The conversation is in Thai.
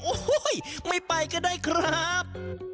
โอ้โหไม่ไปก็ได้ครับ